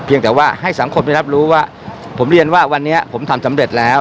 แต่ว่าให้สังคมได้รับรู้ว่าผมเรียนว่าวันนี้ผมทำสำเร็จแล้ว